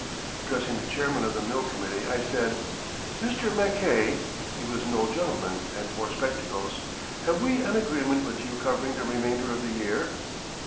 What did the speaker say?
Addressing the chairman of the mill committee, I said: "Mr. Mackay" (he was an old gentleman and wore spectacles), "have we an agreement with you covering the remainder of the year?"